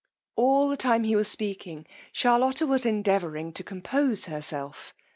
All the time he was speaking Charlotta was endeavouring to compose herself.